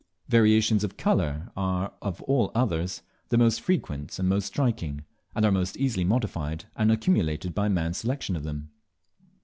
Variations of colour are of all others the most frequent and the most striking, and are most easily modified and accumulated by man's selection of them.